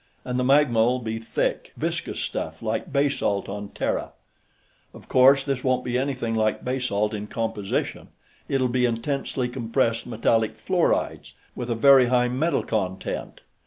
And the magma'll be thick, viscous stuff, like basalt on Terra. Of course, this won't be anything like basalt in composition it'll be intensely compressed metallic fluorides, with a very high metal content.